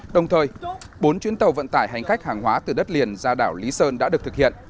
đồng thời bốn chuyến tàu vận tải hành khách hàng hóa từ đất liền ra đảo lý sơn đã được thực hiện